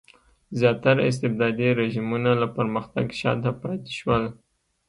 زیاتره استبدادي رژیمونه له پرمختګ شاته پاتې شول.